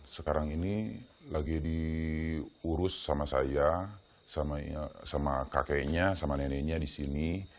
sekarang ini lagi diurus sama saya sama kakeknya sama neneknya di sini